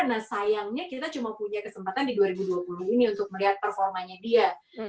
nah sayangnya kita cuma punya kesempatan di dua ribu dua puluh ini untuk melihat performanya dia